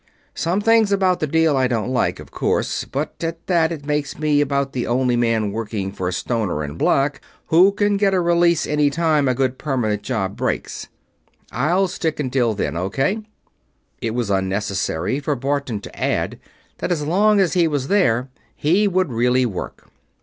Some things about the deal I don't like, of course but at that, it makes me about the only man working for Stoner and Black who can get a release any time a good permanent job breaks. I'll stick until then. O.K.?" It was unnecessary for Barton to add that as long as he was there he would really work.